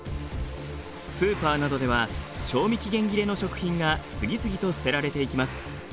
スーパーなどでは賞味期限切れの食品が次々と捨てられていきます。